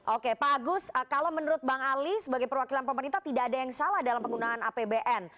oke pak agus kalau menurut bang ali sebagai perwakilan pemerintah tidak ada yang salah dalam penggunaan apbn